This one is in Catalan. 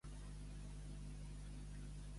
Donau-nos la tramuntana quan l'haguem de menester.